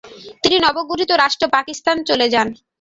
তিনি নবগঠিত রাষ্ট্র পাকিস্তান চলে যান।